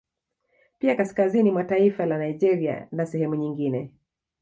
Pia kaskazini mwa taifa la Nigeria na sehemu nyigine